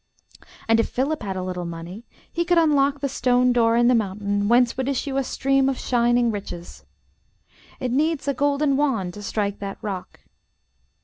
And if Philip had a little money he could unlock the stone door in the mountain whence would issue a stream of shining riches. It needs a golden wand to strike that rock.